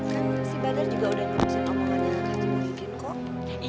kan si badal juga udah ngerusak omongannya sama haji muhyiddin